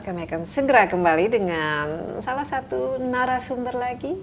kami akan segera kembali dengan salah satu narasumber lagi